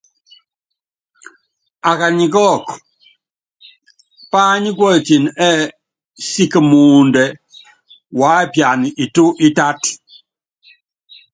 Akání kɔkɔ, pányikuɔyiti ɛ́ɛ siki muundɛ wuápiana itu itátɔ́.